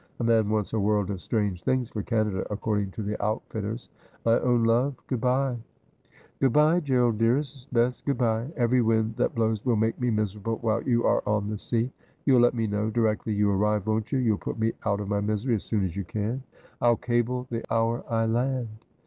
A man wants a world of strange things for Canada, according to the outfitters. My own love, good bye !'' Grood bye, G erald dearest, best, good bye. Every wind that blows will make me miserable while you are on the sea. You'll let me know directly you arrive, won't you ? You'll put me out of my misery as soon as you can ?'' I'll cable the hour I land.'